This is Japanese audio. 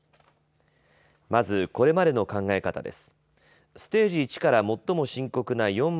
まずこれまでの考え方です。